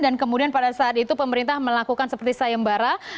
dan kemudian pada saat itu pemerintah melakukan seperti sayembara